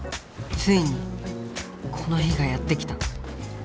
ついにこの日がやって来た。